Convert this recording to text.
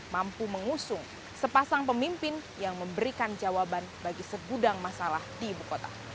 mampu mengusung sepasang pemimpin yang memberikan jawaban bagi segudang masalah di ibu kota